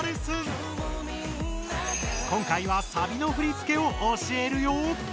今回はサビの振付を教えるよ！